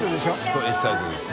そう「エキサイト」です。